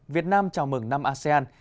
việt nam chào mừng năm asean